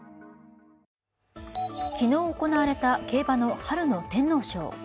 昨日行われた競馬の春の天皇賞。